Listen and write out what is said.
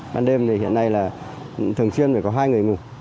ban đêm thì hiện nay là thường xuyên phải có hai người ngủ